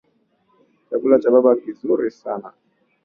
Chakula cha baba ni kizuri sana.